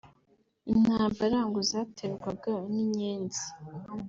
intambara ngo zaterwaga n’Inyenzi